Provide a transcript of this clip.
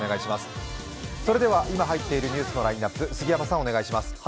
それでは今入っているニュースのラインナップ、杉山さん、お願いします。